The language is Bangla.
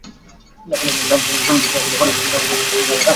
না গেলে আমার পাপের ঋণশোধ হবে না।